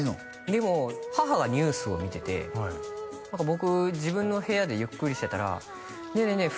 でも母がニュースを見てて何か僕自分の部屋でゆっくりしてたら「ねえねえねえ